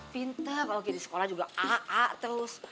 pinter kalo kayak di sekolah juga a a terus